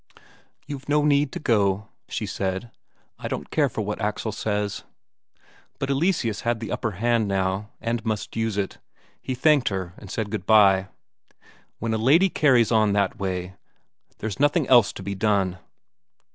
"You've no need to go," she said. "I don't care for what Axel says." But Eleseus had the upper hand now, and must use it; he thanked her and said good bye. "When a lady carries on that way," he said, "there's nothing else to be done."